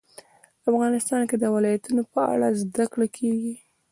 افغانستان کې د ولایتونو په اړه زده کړه کېږي.